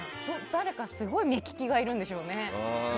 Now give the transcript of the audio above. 誰か、すごい目利きがいるんでしょうね。